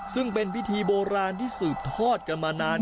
ซึ่งเป็นพิธีโบราณที่สืบทอดกันมานาน